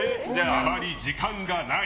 あまり時間がない！